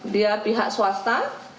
dia pihak swasta